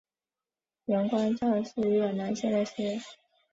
阮光韶是越南现代诗人。